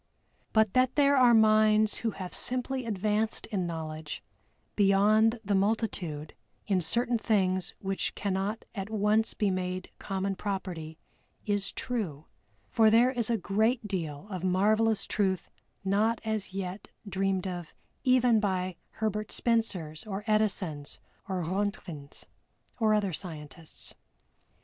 But that there are minds who have simply advanced in knowledge beyond the multitude in certain things which cannot at once be made common property is true, for there is a great deal of marvelous truth not as yet dreamed of even by HERBERT SPENCERS or EDISONS, by RONTGENS or other scientists.